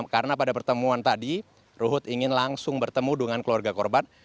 karena pada pertemuan tadi ruhut ingin langsung bertemu dengan keluarga korban